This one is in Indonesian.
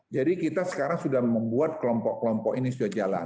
jadi kita sekarang sudah membuat kelompok kelompok ini sudah jalan